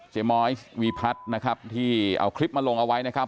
มอยวีพัฒน์นะครับที่เอาคลิปมาลงเอาไว้นะครับ